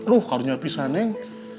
aduh karunya pisah neng